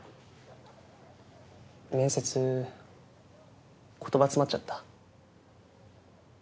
面接言葉詰まっちゃった？